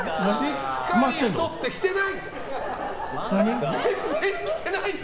しっかり太って、着てない！